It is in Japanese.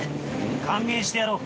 「歓迎してやろう」